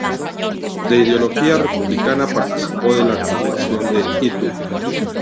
De ideología republicana, participó de la Convención de Itu.